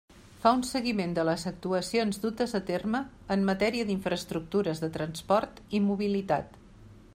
Fa un seguiment de les actuacions dutes a terme en matèria d'infraestructures de transport i mobilitat.